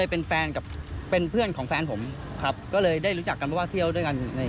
เพราะเนยเป็นเพื่อนของแฟนผมก็เลยได้รู้จักกันว่าเที่ยวด้วยกัน